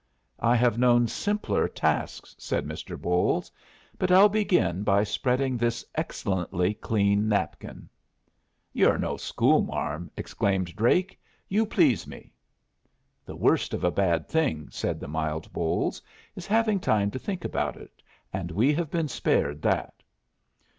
"I have known simpler tasks," said Mr. Bolles, "but I'll begin by spreading this excellently clean napkin." "You're no schoolmarm!" exclaimed Drake; "you please me." "The worst of a bad thing," said the mild Bolles, "is having time to think about it, and we have been spared that."